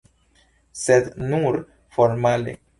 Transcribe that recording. Sed nur formale.